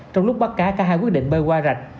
trong lúc bắt cá cả hai quyết định bơi qua rạch